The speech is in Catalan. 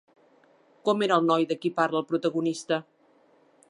Com era el noi de qui parla el protagonista?